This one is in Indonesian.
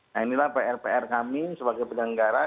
nah inilah pr pr kami sebagai penyelenggara